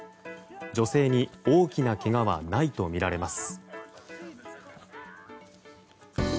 女性に大きなけがはないとみられます。